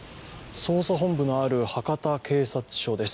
捜査本部のある博多警察署です。